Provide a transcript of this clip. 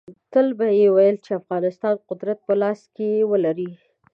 تل به یې ویل چې د افغانستان قدرت په لاس کې ولري.